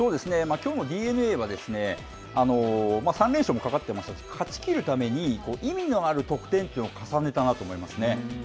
きょうのＤｅＮＡは３連勝もかかってましたし、勝ちきるために意味のある得点というのを重ねたなと思いますね。